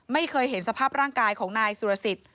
ไม่เคยเห็นสภาพร่างกายของนายสุรสิทธิ์